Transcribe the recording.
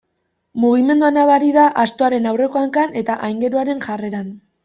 Mugimendua nabari da astoaren aurreko hankan eta aingeruaren jarreran.